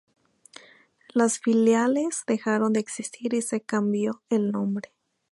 Las filiales dejaron de existir y se cambió el nombre.